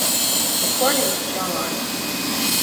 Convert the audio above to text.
According to John.